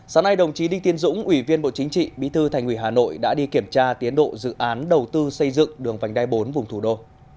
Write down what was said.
sáng nay đồng chí đinh tiên dũng ủy viên bộ chính trị bí thư thành ủy hà nội đã đi kiểm tra tiến độ dự án đầu tư xây dựng đường vành đai bốn vùng thủ đô